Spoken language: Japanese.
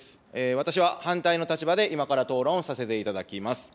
私は、反対の立場で今から討論させていただきます。